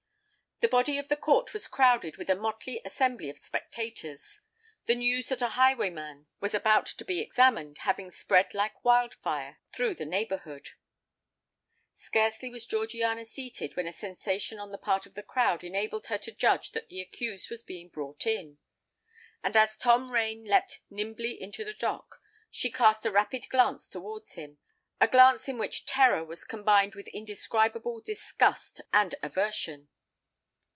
The body of the court was crowded with a motley assembly of spectators, the news that a highwayman was about to be examined having spread like wildfire throughout the neighbourhood. Scarcely was Georgiana seated, when a sensation on the part of the crowd enabled her to judge that the accused was being brought in; and as Tom Rain leapt nimbly into the dock, she cast a rapid glance towards him—a glance in which terror was combined with indescribable disgust and aversion.